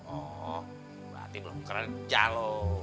oh berarti belum kerja lo